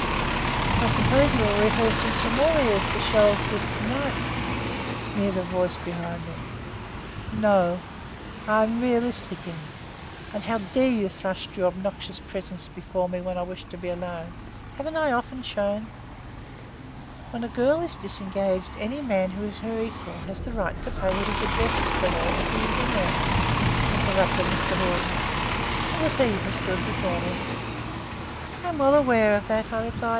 "I suppose you are rehearsing some more airs to show off with tonight," sneered a voice behind me. "No, I'm realisticing; and how dare you thrust your obnoxious presence before me when I wish to be alone! Haven't I often shown " "While a girl is disengaged, any man who is her equal has the right to pay his addresses to her if he is in earnest," interrupted Mr Hawden. It was he who stood before me. "I am well aware of that," I replied.